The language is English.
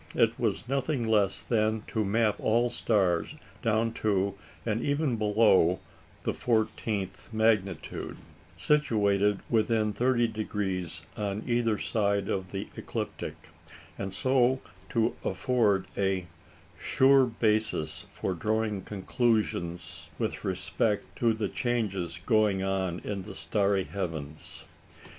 It was nothing less than to map all stars down to, and even below, the fourteenth magnitude, situated within 30° on either side of the ecliptic, and so to afford "a sure basis for drawing conclusions with respect to the changes going on in the starry heavens."